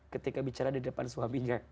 ketika bicara di depan suaminya